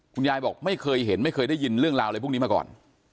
คุณยายบอกไม่เคยเห็นไม่เคยได้ยินเรื่องราวอะไรพวกนี้มาก่อน